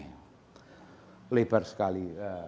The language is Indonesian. lebih lebar sekali